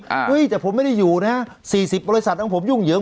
อ่าอุ้ยแต่ผมไม่ได้อยู่นะ๔๐บริษัทของผมยุ่งเหยิง